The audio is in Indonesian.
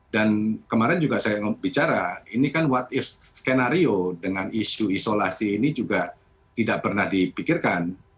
dan kemarin juga saya bicara ini kan what if skenario dengan isu isolasi ini juga tidak pernah dipikirkan